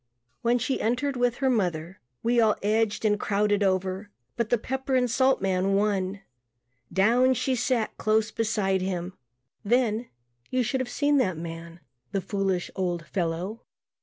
When she entered with her mother we all edged and crowded over but the pepper and salt man won. Down she sat close beside him. Then you should have seen that man, the foolish, old fellow.